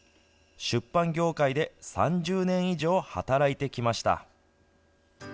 出版業界で３０年以上働いてきました。